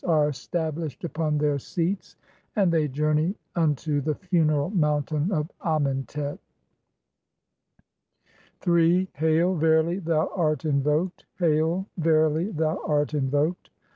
"are stablished upon their seats ; and they journey unto the "funeral mountain of Amentet." III. "[Hail, verily thou art invoked ; hail, verily thou art in "voked.